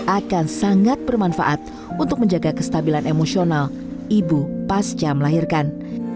akan sangat bermanfaat untuk menjaga kestabilan emosional ibu pasca melahirkan